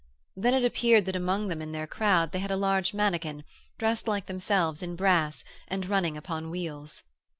Then it appeared that among them in their crowd they had a large mannikin, dressed like themselves in brass and running upon wheels.